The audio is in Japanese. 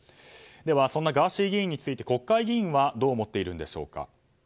そんなガーシー議員について国会議員はどう思っているんでしょうか。